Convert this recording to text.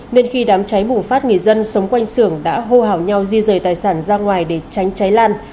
nên khi đám cháy bùng phát người dân sống quanh xưởng đã hô hào nhau di rời tài sản ra ngoài để tránh cháy lan